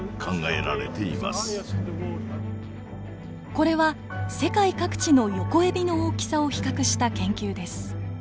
これは世界各地のヨコエビの大きさを比較した研究です。